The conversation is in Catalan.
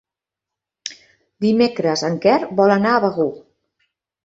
Dimecres en Quer vol anar a Begur.